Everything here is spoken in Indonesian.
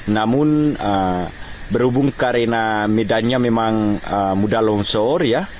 namun berhubung karena medannya memang mudah longsor ya